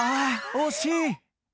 惜しい